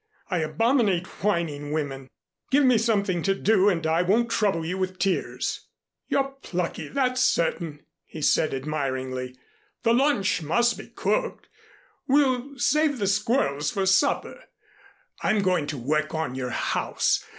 I abominate whining women. Give me something to do, and I won't trouble you with tears." "You're plucky, that's certain," he said admiringly. "The lunch must be cooked. We'll save the squirrels for supper. I'm going to work on your house.